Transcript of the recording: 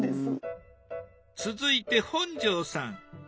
続いて本上さん。